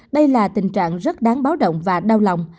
đây là tình trạng rất đáng báo động và đau lòng